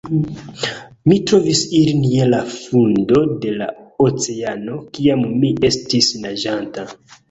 Mi trovis ilin je la fundo de la oceano kiam mi estis naĝanta